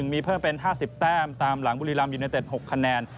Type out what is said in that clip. มีเพิ่มเป็น๕๐แต้มตามหลังบุรีรัมยูเนเต็ด๖คะแนน